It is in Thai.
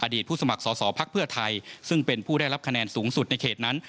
ผู้สมัครสอสอภักดิ์เพื่อไทยซึ่งเป็นผู้ได้รับคะแนนสูงสุดในเขตนั้น